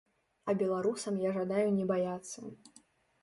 А беларусам я жадаю не баяцца.